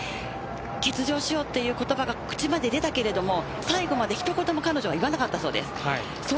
欠場しようという言葉が口からでかかったけど最後まで彼女は言わなかったそうです。